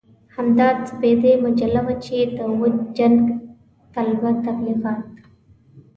همدا سپېدې مجله وه چې د وچ جنګ طلبه تبليغات.